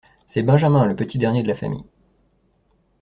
C'est Benjamin, le petit dernier de la famille.